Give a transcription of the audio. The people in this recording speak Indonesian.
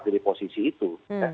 dari posisi itu